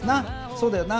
そうだよな？